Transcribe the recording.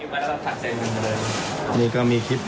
ประกอบอีกครับ